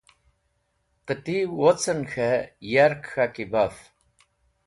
Qẽti wocẽn k̃hẽ yark k̃haki baf.